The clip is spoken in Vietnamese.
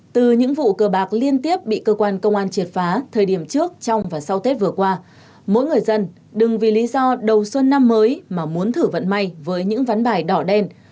từ những vụ cờ bạc liên tiếp bị cơ quan công an triệt phá thời điểm trước trong và sau tết vừa qua mỗi người dân đừng vì lý do đầu xuân năm mới mà muốn thử vận may với những ván bài đỏ đen